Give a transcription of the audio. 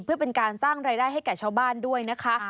เพื่อเป็นการสร้างรายได้ให้แก่ชาวบ้านด้วยนะคะ